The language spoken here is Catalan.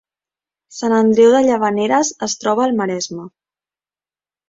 Sant Andreu de Llavaneres es troba al Maresme